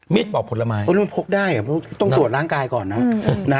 ปอกผลไม้มันพกได้ต้องตรวจร่างกายก่อนนะ